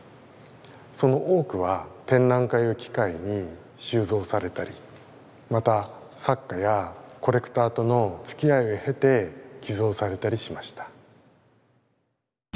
その多くは展覧会を機会に収蔵されたりまた作家やコレクターとのつきあいを経て寄贈されたりしました。